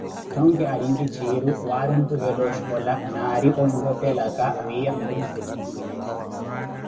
Thonki ari nttitthiru waari ontuvela oshicola naari olothelaka wiya nthunkulu nwulweene.